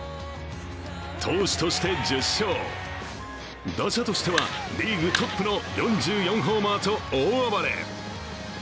投手として１０勝、打者としてはリーグトップの４４ホーマーと大暴れ。